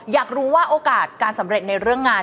อยากรู้ว่าโอกาสการสำเร็จในเรื่องงาน